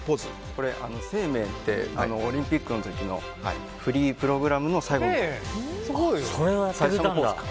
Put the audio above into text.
これ、晴明ってオリンピックの時のフリープログラムの最後のポーズかと。